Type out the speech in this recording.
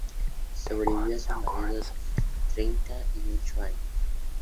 Sobrevivió a su "marido" treinta y ocho años.